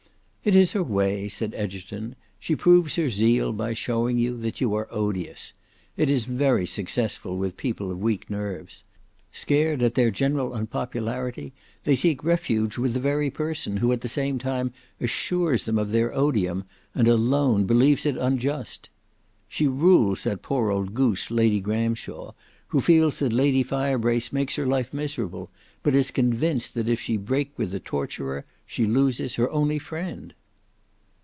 "It is her way," said Egerton; "she proves her zeal by showing you that you are odious. It is very successful with people of weak nerves. Scared at their general unpopularity, they seek refuge with the very person who at the same time assures them of their odium and alone believes it unjust. She rules that poor old goose, Lady Gramshawe, who feels that Lady Firebrace makes her life miserable, but is convinced that if she break with the torturer, she loses her only friend."